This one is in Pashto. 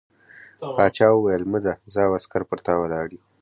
باچا وویل مه ځه زه او عسکر پر تا ولاړ یو.